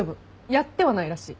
やってはないらしい。